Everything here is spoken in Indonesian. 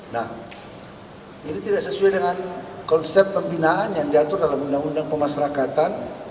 nah ini tidak sesuai dengan konsep pembinaan yang diatur dalam undang undang pemasrakatan